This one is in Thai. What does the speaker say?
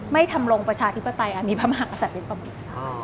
ทำลงประชาธิปไตยอันนี้พระมหากษัตริย์เป็นประมุก